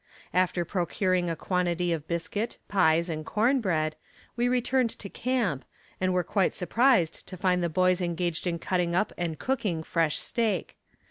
After procuring a quantity of biscuit, pies, and corn bread, we returned to camp, and were quite surprised to find the boys engaged in cutting up and cooking fresh steak.